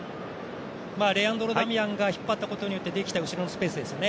レアンドロ・ダミアンが引っ張ったことによってできたスペースですね。